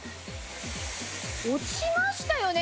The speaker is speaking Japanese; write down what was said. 落ちましたよね？